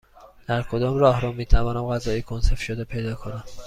در کدام راهرو می توانم غذای کنسرو شده پیدا کنم؟